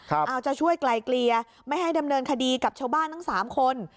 เอาจะช่วยไกลเกลียไม่ให้ดำเนินคดีกับชาวบ้านทั้งสามคน